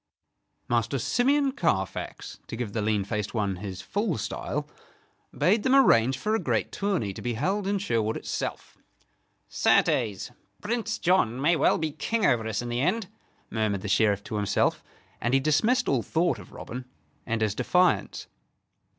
Master Simeon Carfax, to give the lean faced one his full style, bade them arrange for a great tourney to be held in Sherwood itself. "Certes, Prince John may well be King over us in the end," murmured the Sheriff to himself; and he dismissed all thought of Robin and his defiance.